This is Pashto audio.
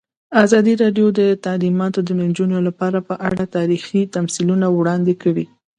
ازادي راډیو د تعلیمات د نجونو لپاره په اړه تاریخي تمثیلونه وړاندې کړي.